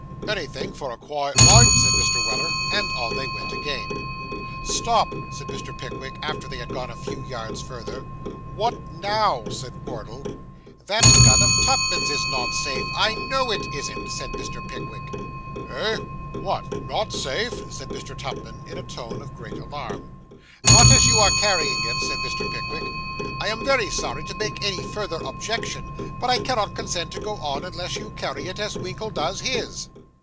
'Anythin' for a quiet life,' said Mr. Weller; and on they went again. 'Stop!' said Mr. Pickwick, after they had gone a few yards farther. 'What now?' said Wardle. 'That gun of Tupman's is not safe: I know it isn't,' said Mr. Pickwick. 'Eh? What! not safe?' said Mr. Tupman, in a tone of great alarm. 'Not as you are carrying it,' said Mr. Pickwick. 'I am very sorry to make any further objection, but I cannot consent to go on, unless you carry it as Winkle does his.